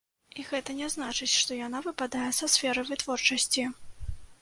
І гэта не значыць, што яна выпадае са сферы вытворчасці.